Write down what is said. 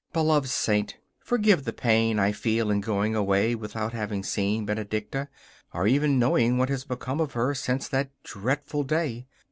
Beloved Saint, forgive the pain I feel in going away without having seen Benedicta, or even knowing what has become of her since that dreadful day.